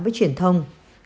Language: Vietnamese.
với truyền thông